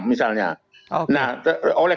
misalnya nah oleh